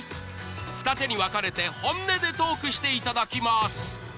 二手に分かれて本音でトークしていただきます